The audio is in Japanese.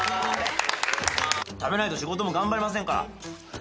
食べないと仕事も頑張れませんから。